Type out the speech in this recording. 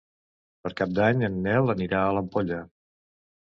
Per Cap d'Any en Nel anirà a l'Ampolla.